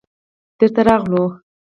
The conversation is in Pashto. بېرته راغلو.